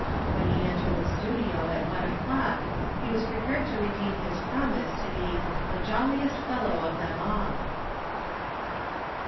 When he entered the studio at one o'clock, he was prepared to redeem his promise to be "the jolliest fellow of them all."